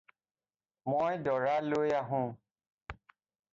মই দৰা লৈ আহোঁ।